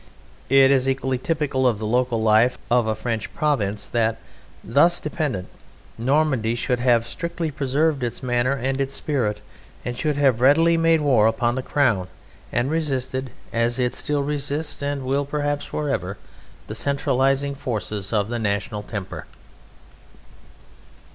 It is equally typical of the local life of a French province that, thus dependent, Normandy should have strictly preserved its manner and its spirit, and should have readily made war upon the Crown and resisted, as it still resists and will perhaps for ever, the centralizing forces of the national temper.